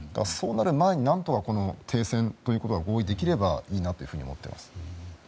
そうなる前に、何とか停戦ということが合意できればいいなと思っています。